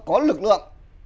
có lực lượng